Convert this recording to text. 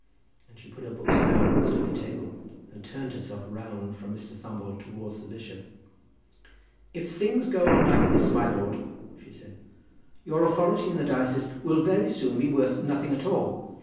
And she put her books down on the study table, and turned herself round from Mr. Thumble towards the bishop. "If things go on like this, my lord," she said, "your authority in the diocese will very soon be worth nothing at all."